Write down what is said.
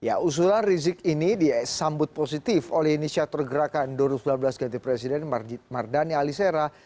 ya usulan rizik ini disambut positif oleh inisiator gerakan dua ribu sembilan belas ganti presiden mardani alisera